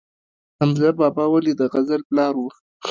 حمزه بابا ولې د غزل پلار و؟